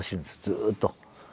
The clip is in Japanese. ずっと。